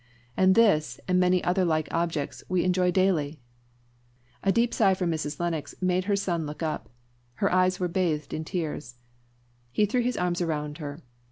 And this, and many other like objects, we enjoy daily " A deep sigh from Mrs. Lennox made bier son look up. Her eyes were bathed in tears. He threw his arms around her.